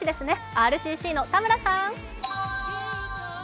ＲＣＣの田村さん。